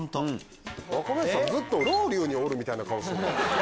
若林さんずっとロウリュにおるみたいな顔してる。